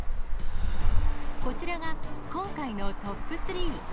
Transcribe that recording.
こちらが、今回のトップ３。